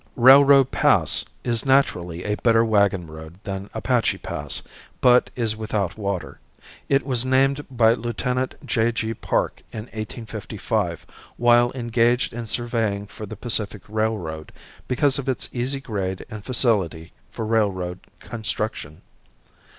Railroad Pass is naturally a better wagon road than Apache Pass, but is without water. It was named by Lieut. J. G. Parke in 1855 while engaged in surveying for the Pacific Railroad, because of its easy grade and facility for railroad construction.